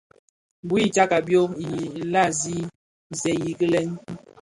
Bui i tagà byom,i làgsi senji kilel.